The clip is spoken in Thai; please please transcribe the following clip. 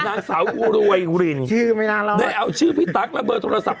นางสาวรวยรินชื่อได้เอาชื่อพี่ตั๊กและเบอร์โทรศัพท์